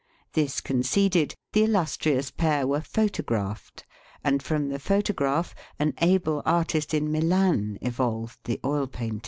This conceded, the illustrious pair were photographed, and from the photograph an able artist in Milan evolved the oil paintings.